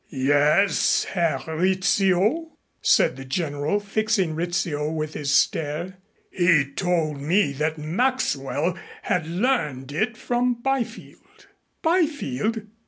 "Yes, Herr Rizzio," said the General, fixing Rizzio with his stare. "He told me that Maxwell had learned it from Byfield." "Byfield!"